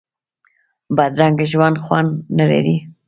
بدرنګه ژوند خوند نه لري